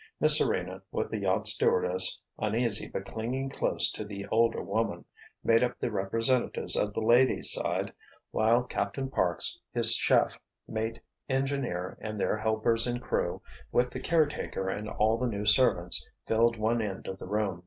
Miss Serena, with the yacht stewardess, uneasy but clinging close to the older woman, made up the representatives of the ladies' side, while Captain Parks, his chef, mate, engineer and their helpers and crew, with the caretaker and all the new servants, filled one end of the room.